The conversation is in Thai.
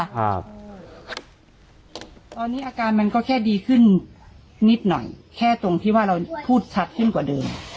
ตอนนี้อาการมันก็แค่ดีขึ้นนิดหน่อยแค่ตรงที่ว่าเราพูดชัดขึ้นกว่าเดิม